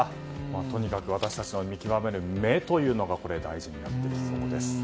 とにかく私たちは見極める目が大事になってきそうです。